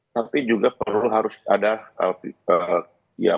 tapi juga perlu harus ada